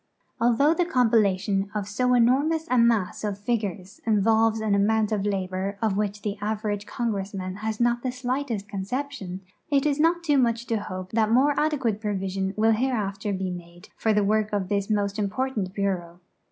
Al though the compilation of so enormous a mass of figures involves an amount of labor of wdiich the average Congressman has not the slightest conception, it is not too much to hope that more adecpiate provision will hereafter be made for the work of this most important Bureau.